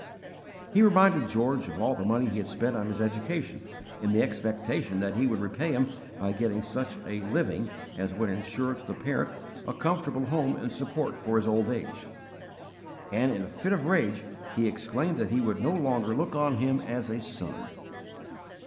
He reminded George of all the money he had spent on his education in the expectation that he would repay him by getting such a 'living' as would insure to the parent a comfortable home and support for his old age; and in a fit of rage he exclaimed that he would no longer look on him as a son.